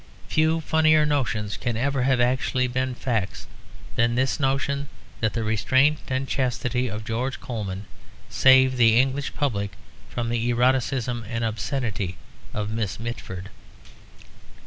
Few funnier notions can ever have actually been facts than this notion that the restraint and chastity of George Colman saved the English public from the eroticism and obscenity of Miss Mitford.